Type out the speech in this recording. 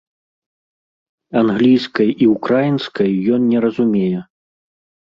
Англійскай і ўкраінскай ён не разумее.